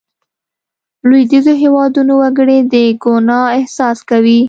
لوېدیځو هېوادونو وګړي د ګناه احساس کوي.